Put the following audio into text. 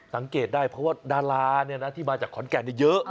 สังเกตได้เพราะว่าดาราที่มาจากขอนแก่นเยอะ